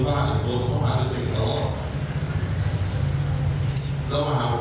ก็จะบอกว่าเขารู้เป็นไหม